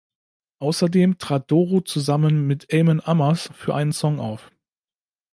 Außerdem trat Doro zusammen mit Amon Amarth für einen Song auf.